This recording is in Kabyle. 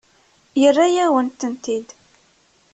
Yerra-yawen-tent-id.